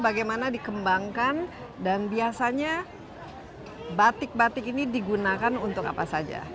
bagaimana dikembangkan dan biasanya batik batik ini digunakan untuk apa saja